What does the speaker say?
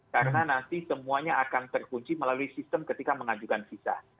karena nanti semuanya akan terkunci melalui sistem ketika mengajukan visa